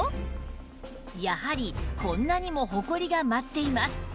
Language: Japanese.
やはりこんなにもホコリが舞っています